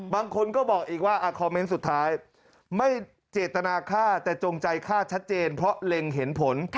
บางคนก็บอกอีกว่าไม่เจตนาค่าแต่จงใจค่าชัดเจนเพราะเล็งเห็นผล